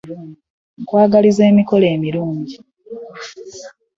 Nkwagaliza emikolo emirungi.